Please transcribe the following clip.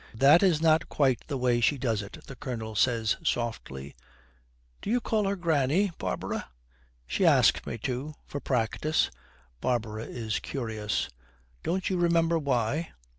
'That is not quite the way she does it,' the Colonel says softly, 'Do you call her granny, Barbara?' 'She asked me to for practice.' Barbara is curious. 'Don't you remember why?'